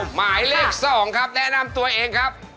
หมายเลข๒ครับแนะนำตัวเองครับ